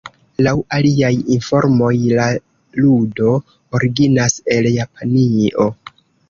Laŭ aliaj informoj la ludo originas el Japanio.